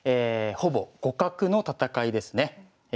ほぼ互角の戦いですね。